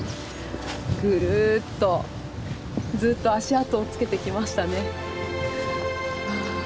ぐるっとずっと足跡をつけてきましたね。